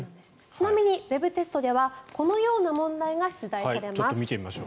ちなみにウェブテストではこのような問題が出題されます。